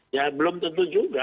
ya belum tentu juga